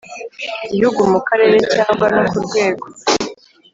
Gihugu mu karere cyangwa no ku rwego